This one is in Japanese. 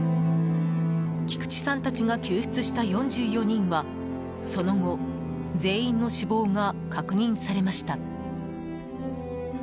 菊池さんたちが救出した４４人はその後全員の死亡が確認されました。